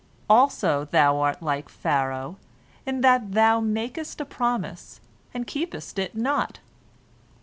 Also thou art like Pharaoh in that thou makest a promise and keepest it not.